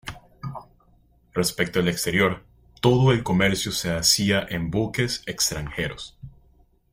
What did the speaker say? Respecto al exterior, "todo el comercio se hacía en buques extranjeros.